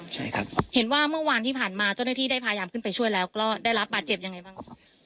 ใช่ครับเห็นว่าเมื่อวานที่ผ่านมาเจ้าหน้าที่ได้พยายามขึ้นไปช่วยแล้วก็ได้รับบาดเจ็บยังไงบ้างครับ